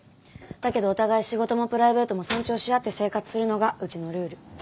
だけどお互い仕事もプライベートも尊重し合って生活するのがうちのルール。